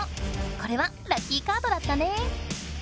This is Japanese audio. これはラッキーカードだったね！